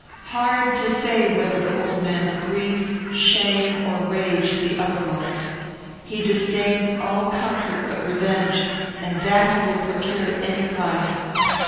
Hard to say whether the old man's grief, shame, or rage, be uppermost. He disdains all comfort but revenge, and that he will procure at any price.